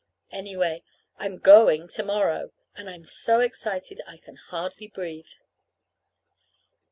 Anyway, I'm going to morrow. And I'm so excited I can hardly breathe.